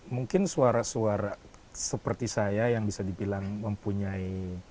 mungkin suara suara seperti saya yang bisa dibilang mempunyai